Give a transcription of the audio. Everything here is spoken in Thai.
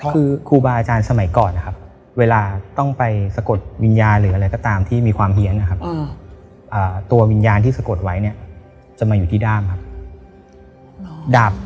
คือครูบาอาจารย์สมัยก่อนนะครับเวลาต้องไปสะกดวิญญาณหรืออะไรก็ตามที่มีความเฮียนนะครับตัววิญญาณที่สะกดไว้เนี่ยจะมาอยู่ที่ด้ามครับ